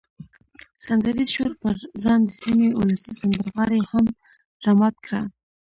سندریز شور پر ځان د سیمې ولسي سندرغاړي هم را مات کړه.